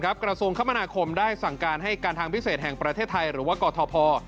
กระทรวงคมนาคมได้สั่งการให้การทางพิเศษแห่งประเทศไทยหรือว่ากอทพ